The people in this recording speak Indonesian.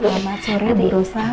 selamat sore bu